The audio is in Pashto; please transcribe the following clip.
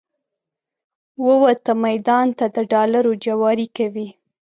ووته میدان ته د ډالرو جواري کوي